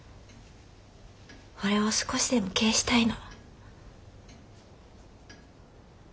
ほれを少しでも返したいの。